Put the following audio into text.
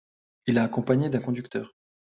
Il est accompagné d'un conducteur.